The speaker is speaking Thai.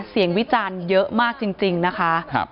วิจารณ์เยอะมากจริงนะคะ